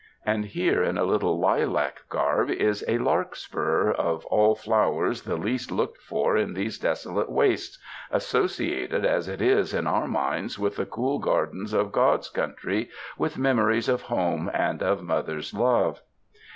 And here in a lilac garb is a larkspur, of all flowers the least looked for in these desolate wastes, associated as it is in our minds with the cool gardens of "God's country," with memories of home and of mother's love.